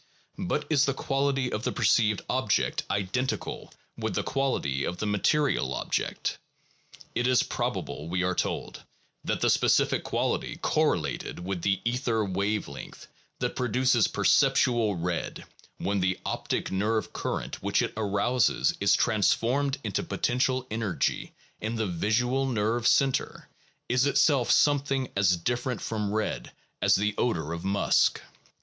But is the quality of the perceived object identical with the quality of the material object? It is probable, we are told, that the specific quality correlated with the ether wave length that produces perceptual red, when the optic nerve current which it arouses is transformed into potential energy in the visual nerve center, is itself something as different from red as the odor of musk.